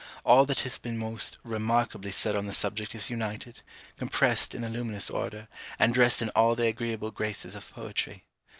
All that has been most remarkably said on the subject is united, compressed in a luminous order, and dressed in all the agreeable graces of poetry.